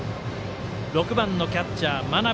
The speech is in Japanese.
６番のキャッチャー、真鍋。